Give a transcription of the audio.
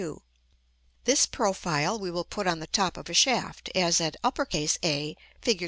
This profile we will put on the top of a shaft, as at A, Fig.